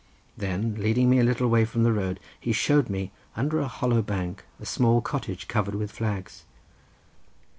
Then leading me a little way from the road he showed me, under a hollow bank, a small cottage covered with flags.